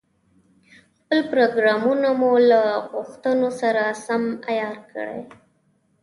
خپل پروګرامونه له غوښتنو سره سم عیار کړي.